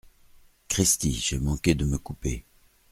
Cristi ! j’ai manqué de me couper !